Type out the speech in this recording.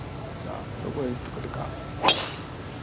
どこへ打ってくるか。